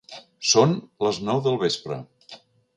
Són les nou del vespre.